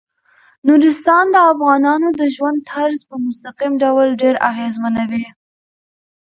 نورستان د افغانانو د ژوند طرز په مستقیم ډول ډیر اغېزمنوي.